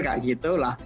kayak gitu lah